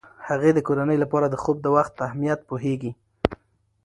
هغې د کورنۍ لپاره د خوب د وخت اهمیت پوهیږي.